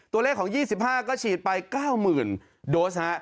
ตัวเลขของ๒๕ก็ฉีดไป๙๐๐๐โดส